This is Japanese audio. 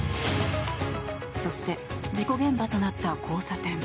そして事故現場となった交差点。